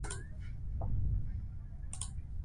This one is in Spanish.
Nombre: "Nuestra Señora de la Torre".